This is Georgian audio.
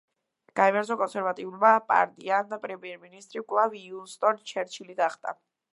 გაიმარჯვა კონსერვატიულმა პარტიამ და პრემიერ-მინისტრი კვლავ უინსტონ ჩერჩილი გახდა.